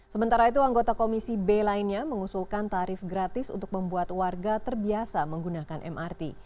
sementara itu anggota komisi b lainnya mengusulkan tarif gratis untuk membuat warga terbiasa menggunakan mrt